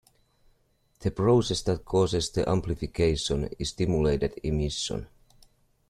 The process that causes the amplification is stimulated emission.